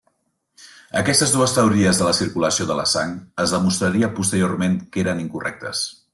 Aquestes dues teories de la circulació de la sang es demostraria posteriorment que eren incorrectes.